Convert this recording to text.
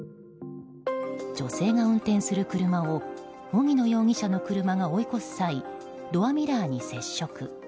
女性が運転する車を荻野容疑者の車が追い越す際ドアミラーに接触。